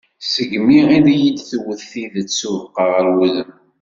Segmi iyi-d-tewwet tidet s ubeqqa ɣer wudem.